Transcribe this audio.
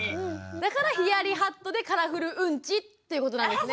だから「ヒヤリハットでカラフルうんち」っていうことなんですね。